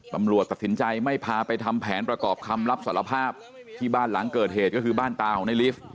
ตำรวจตัดสินใจไม่พาไปทำแผนประกอบคำรับสารภาพที่บ้านหลังเกิดเหตุก็คือบ้านตาของในลิฟต์